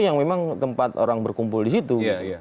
yang memang tempat orang berkumpul di situ